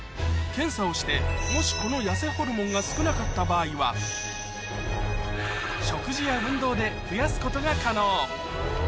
検査をしてもしこの痩せホルモンが少なかった場合はで増やすことが可能